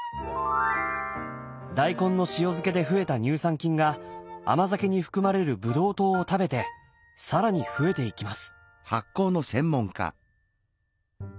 大根の塩漬けで増えた乳酸菌が甘酒に含まれるブドウ糖を食べて更に増えていきます。